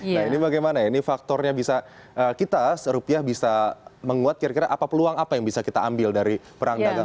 nah ini bagaimana ini faktornya bisa kita rupiah bisa menguat kira kira apa peluang apa yang bisa kita ambil dari perang dagang